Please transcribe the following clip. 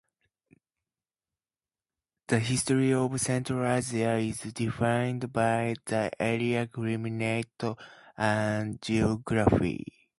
The history of Central Asia is defined by the area's climate and geography.